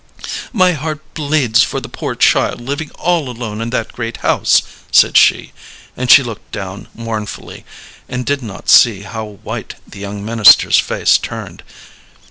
"My heart bleeds for the poor child living all alone in that great house," said she. And she looked down mournfully, and did not see how white the young minister's face turned.